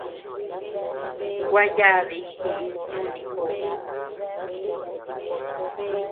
Gua yadi jiʼi nuni kú.